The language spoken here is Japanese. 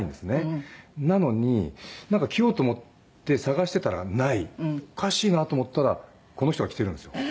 なのに着ようと思って探してたらないおかしいなと思ったらこの人が着てるんですよ。